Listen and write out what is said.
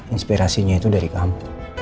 inspirasinya itu dari kamu